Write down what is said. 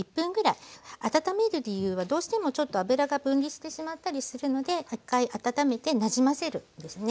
温める理由はどうしてもちょっと油が分離してしまったりするので一回温めてなじませるですね。